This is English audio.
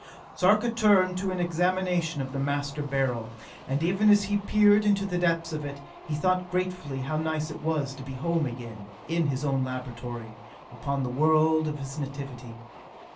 Sarka turned to an examination of the Master Beryl, and even as he peered into the depths of it, he thought gratefully how nice it was to be home again, in his own laboratory, upon the world of his nativity.